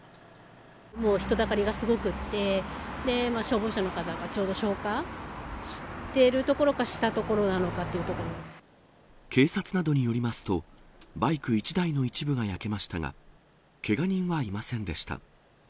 もう人だかりがすごくって、消防車の方がちょうど消火してるところか、したところなのかって警察などによりますと、バイク１台の一部が焼けましたが、けが人はいませんでした。